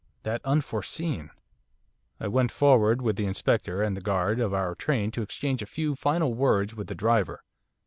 That unforeseen! I went forward with the Inspector and the guard of our train to exchange a few final words with the driver.